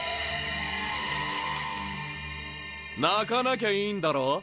泣かなきゃいいんだろ？